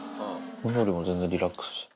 のりも全然リラックスして。